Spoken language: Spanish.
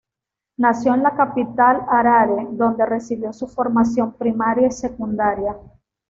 Nació en la capital Harare, donde recibió su formación primaria y secundaria.